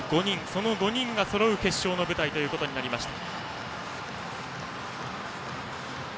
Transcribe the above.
その５人がそろう決勝の舞台となりました。